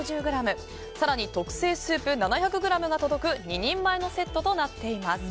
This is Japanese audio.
更に特製スープ７００ｇが届く２人前のセットとなっています。